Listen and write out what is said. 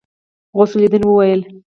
غوث الدين وويل.